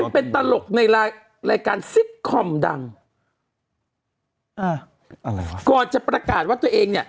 เป็นตลกในรายการซิตคอมดังอ่าอะไรวะก่อนจะประกาศว่าตัวเองเนี้ย